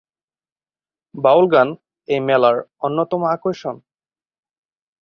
বাউল গান এই মেলার অন্যতম আকর্ষণ।